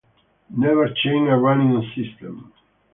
Never change a running system.